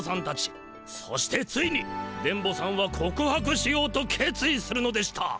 そしてついに電ボさんは告白しようと決意するのでした。